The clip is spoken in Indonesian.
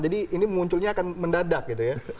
jadi ini munculnya akan mendadak gitu ya